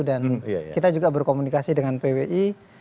dan kita juga berkomunikasi dengan pwi